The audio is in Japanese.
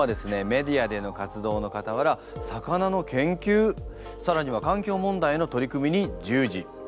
メディアでの活動のかたわら魚の研究さらには環境問題への取り組みに従事。